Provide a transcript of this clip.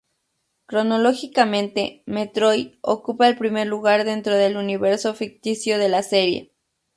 Cronológicamente, "Metroid" ocupa el primer lugar dentro del universo ficticio de la serie.